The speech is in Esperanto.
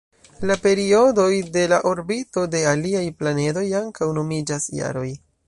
La periodoj de la orbito de aliaj planedoj ankaŭ nomiĝas jaroj.